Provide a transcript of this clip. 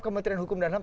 kementerian hukum danang